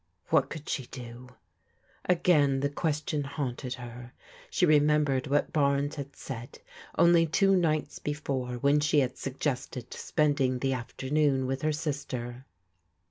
What could she do ? Again the question haunted her. She remembered what Barnes had said only two nights before when she had suggested spending the afternoon with her sister.